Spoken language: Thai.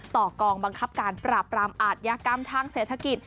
กองบังคับการปราบปรามอาทยากรรมทางเศรษฐกิจ